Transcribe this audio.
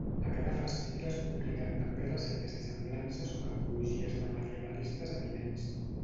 A cada fascicle es publiquen també ressenyes i semblances o necrologies de medievalistes eminents.